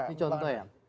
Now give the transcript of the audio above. ini contoh ya